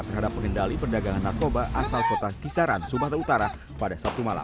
terhadap pengendali perdagangan narkoba asal kota kisaran sumatera utara pada sabtu malam